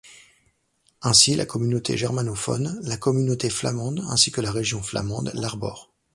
Ainsi la Communauté germanophone, la Communauté flamande ainsi que la Région flamande l'arbore.